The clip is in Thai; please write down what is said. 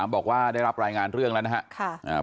บอกว่าได้รับรายงานเรื่องแล้วนะครับ